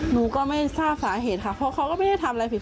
หนูก็ไม่ทราบสาเหตุค่ะเพราะเขาก็ไม่ได้ทำอะไรผิด